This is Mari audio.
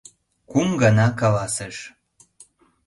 Кум гана каласыш.